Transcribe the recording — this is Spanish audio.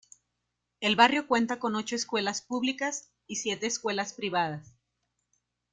El barrio cuenta con ocho escuelas públicas y siete escuelas privadas.